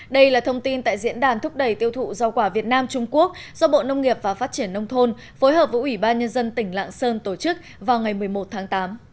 đây là thông tin tại diễn đàn thúc đẩy tiêu thụ rau quả việt nam trung quốc do bộ nông nghiệp và phát triển nông thôn phối hợp với ủy ban nhân dân tỉnh lạng sơn tổ chức vào ngày một mươi một tháng tám